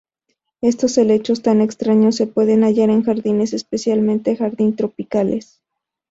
Estos helechos tan extraños, se pueden hallar en jardines, especialmente jardín tropicales.